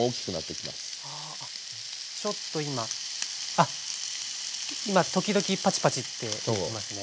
あっ今時々パチパチっていってますね。